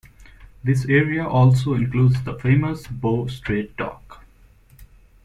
This area also includes the famous Bow Street Dock.